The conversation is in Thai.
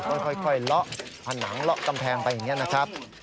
ค่อยเลาะผนังเลาะกำแพงไปอย่างนี้นะครับ